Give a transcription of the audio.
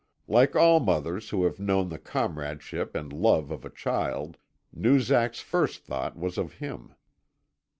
Like all mothers who have known the comradeship and love of a child, Noozak's first thought was of him.